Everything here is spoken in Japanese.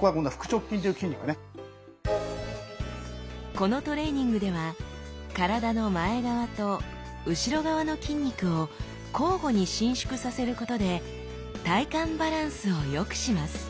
このトレーニングでは体の前側と後ろ側の筋肉を交互に伸縮させることで体幹バランスをよくします